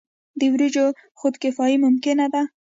د وریجو خودکفايي ممکنه ده.